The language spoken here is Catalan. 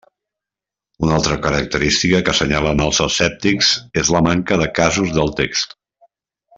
Una altra característica que assenyalen els escèptics és la manca de casos del text.